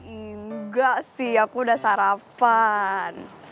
enggak sih aku udah sarapan